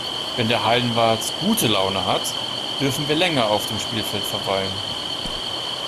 Wenn der Hallenwart gute Laune hat, dürfen wir länger auf dem Spielfeld verweilen.